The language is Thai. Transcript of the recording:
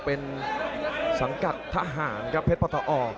เป็นสังกัดทหารครับเพชรปทอ